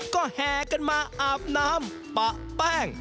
ก็แห่กันมาอาบน้ำปะแป้ง